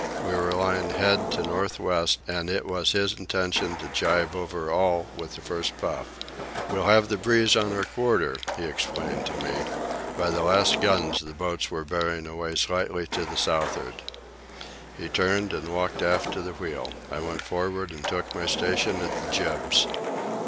We were lying head to north west, and it was his intention to jibe over all with the first puff. "We'll have the breeze on our quarter," he explained to me. "By the last guns the boats were bearing away slightly to the south'ard." He turned and walked aft to the wheel. I went forward and took my station at the jibs.